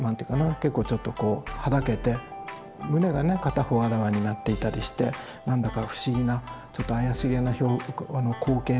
結構ちょっとこうはだけて胸がね片方あらわになっていたりして何だか不思議なちょっと怪しげな光景ですけれども。